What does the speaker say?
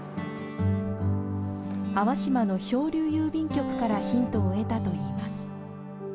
粟島の漂流郵便局からヒントを得たといいます。